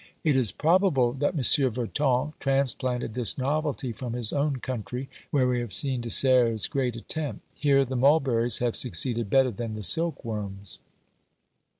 It is probable that Monsieur Verton transplanted this novelty from his own country, where we have seen De Serres' great attempt. Here the mulberries have succeeded better than the silk worms.